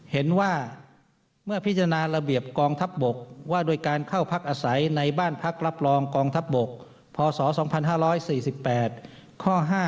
เห็นว่าเมื่อพิจารณาระเบียบกองทัพบกว่าโดยการเข้าพักอาศัยในบ้านพักรับรองกองทัพบกพศ๒๕๔๘ข้อ๕